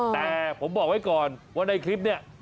แต่ผมบอกไว้ก่อนว่าในคลิปเนี่ย